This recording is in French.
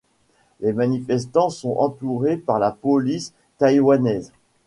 Les manifestants sont entourés par la police taïwanaise.